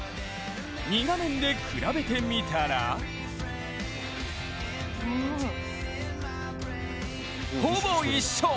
２画面で比べてみたらほぼ一緒！